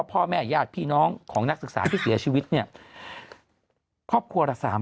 พ่อแม่ญาติพี่น้องของนักศึกษาที่เสียชีวิตเนี่ยครอบครัวละสาม